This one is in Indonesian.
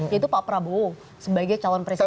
yaitu pak prabowo sebagai calon presiden